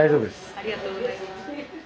ありがとうございます。